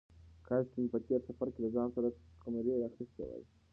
کاشکې ما په تېر سفر کې له ځان سره کمرې راخیستې وای.